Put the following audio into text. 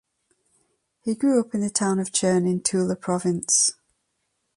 He grew up in the town of Chern in Tula province.